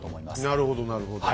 なるほどなるほど。